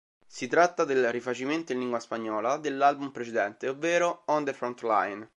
Si tratta del rifacimento in lingua spagnola dell'album precedente, ovvero "On the Front Line".